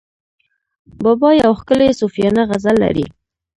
بابا یو ښکلی صوفیانه غزل لري.